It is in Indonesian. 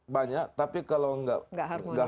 banyak tapi kalau tidak